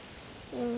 うん。